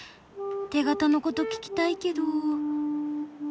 手形のこと聞きたいけど。